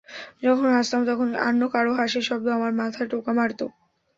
যখন হাসতাম তখন অন্য কারও হাসির শব্দ আমার মাথায় টোকা মারত।